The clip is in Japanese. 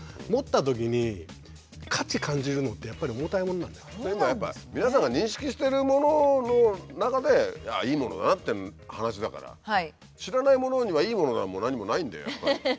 あっなるほど！っていうのはやっぱ皆さんが認識してるものの中でああいいものだなって話だから知らないものにはいいものも何もないんだよやっぱり。